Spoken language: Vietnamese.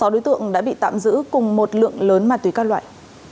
sáu đối tượng đã bị tạm giữ cùng một lượng lớn ma túy các loại